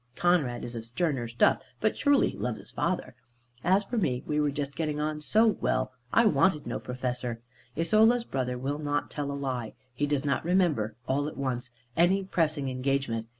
Conrad is of sterner stuff: but surely he loves his father. As for me we were just getting on so well I wanted no Professor. Isola's brother will not tell a lie. He does not remember, all at once, any pressing engagement.